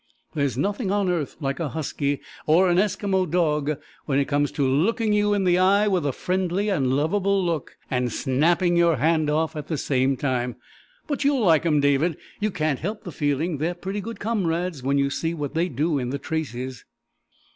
There's nothing on earth like a husky or an Eskimo dog when it comes to lookin' you in the eye with a friendly and lovable look and snapping your hand off at the same time. But you'll like 'em, David. You can't help feeling they're pretty good comrades when you see what they do in the traces."